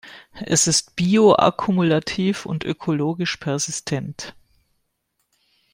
Es ist bioakkumulativ und ökologisch persistent.